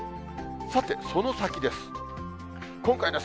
さて、その先です。